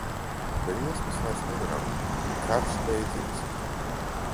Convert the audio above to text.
Briesmas vairs nedraud, karš beidzies.